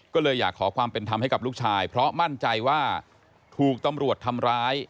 ก็เลยอยากขอความเป็นธรรมให้กับลูกชายเพราะมั่นใจว่าถูกตำรวจทำร้าย